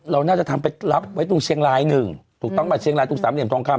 เราน่าจะทำไปรับไว้ตรงเชียงรายหนึ่งถูกต้องป่ะเชียงรายตรงสามเหลี่ยมทองคำ